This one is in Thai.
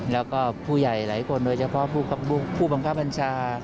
แล้วก็ผู้ใหญ่หลายคนโดยเฉพาะผู้บังคับบัญชา